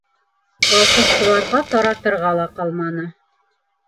Колхозсыларға таратырға ла ҡалманы.